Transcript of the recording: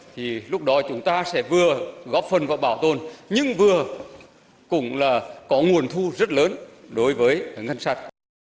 thì lúc đó chúng ta sẽ vừa góp phần vào bảo tồn nhưng vừa cũng là có nguồn thu rất lớn đối với ngân sách